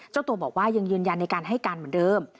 เจ้าตัวบอกว่ายังยืนยันในการให้การเหมือนเดิม